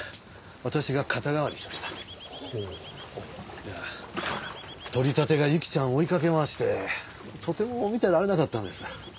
いや取り立てがゆきちゃんを追いかけ回してとても見ていられなかったんです。